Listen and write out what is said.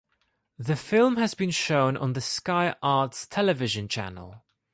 The film has been shown on the Sky Arts television channel.